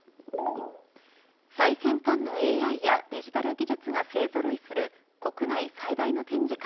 最先端のＡＩやデジタル技術が勢ぞろいする国内最大の展示会